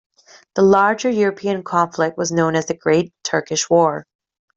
The larger European conflict was known as the Great Turkish War.